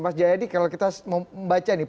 mas jayadi kalau kita membaca nih